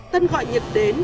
tân gọi nhật đến